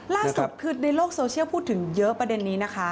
ล่าสุดคือในโลกโซเชียลพูดถึงเยอะประเด็นนี้นะคะ